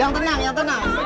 yang tenang yang tenang